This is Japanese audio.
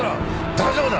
大丈夫だ！